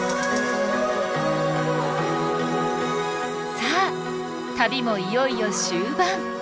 さあ旅もいよいよ終盤！